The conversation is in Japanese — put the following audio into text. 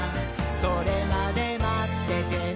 「それまでまっててねー！」